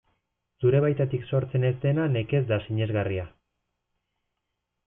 Zure baitatik sortzen ez dena nekez da sinesgarria.